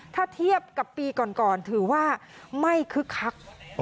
ถ้าเทียบกับปีก่อนถือว่าไม่คึกคัก